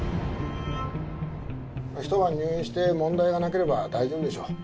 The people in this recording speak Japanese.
一晩入院して問題がなければ大丈夫でしょう。